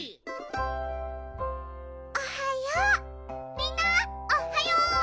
みんなおっはよう！